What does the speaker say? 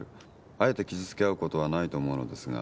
あえて傷つけ合うことはないと思うのですが。